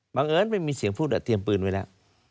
เอิญไม่มีเสียงพูดเตรียมปืนไว้แล้ว